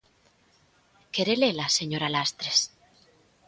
¿Quere lela, señora Lastres?